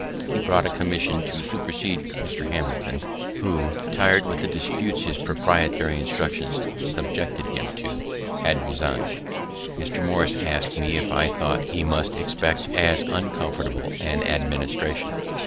He brought a commission to supersede Mr. Hamilton, who, tir'd with the disputes his proprietary instructions subjected him to, had resign'd. Mr. Morris ask'd me if I thought he must expect as uncomfortable an administration.